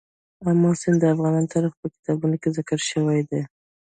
آمو سیند د افغان تاریخ په کتابونو کې ذکر شوی دي.